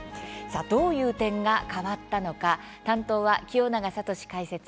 さあどういう点が変わったのか担当は清永聡解説委員です。